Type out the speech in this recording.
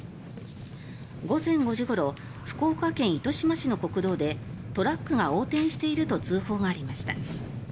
午前５時ごろ福岡県糸島市の国道でトラックが横転していると通報がありました。